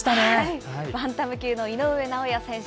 バンタム級の井上尚弥選手。